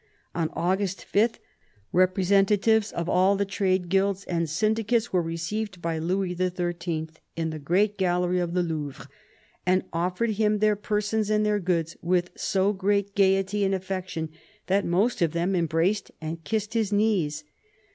On August 5 representatives of all the trade guilds and syndi cates were received by Louis XIII. in the great gallery of the Louvre, " and offered him their persons and their goods with so great gaiety and affection, that most of them embraced and kissed his knees."